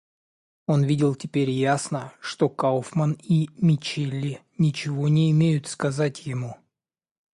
Он видел теперь ясно, что Кауфман и Мичели ничего не имеют сказать ему.